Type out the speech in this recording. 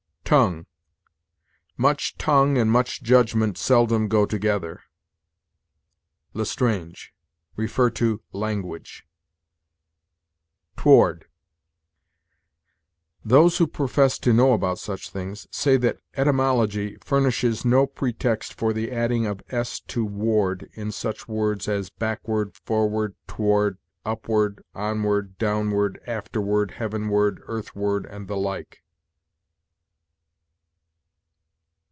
TONGUE. "Much tongue and much judgment seldom go together." L'Estrange. See LANGUAGE. TOWARD. Those who profess to know about such things say that etymology furnishes no pretext for the adding of s to ward in such words as backward, forward, toward, upward, onward, downward, afterward, heavenward, earthward, and the like.